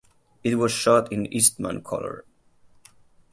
It was shot in Eastmancolor.